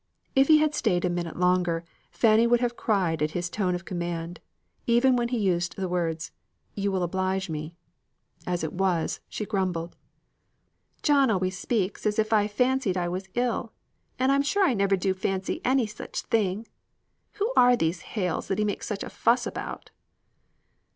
If he had stayed a minute longer, Fanny would have cried at his tone of command, even when he used the words, "You will oblige me." As it was, she grumbled. "John always speaks as if I fancied I was ill, and I am sure I never do fancy any such thing. Who are these Hales that he makes such a fuss about?"